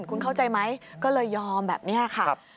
คุณเข้าใจไหมก็เลยยอมแบบนี้ค่ะ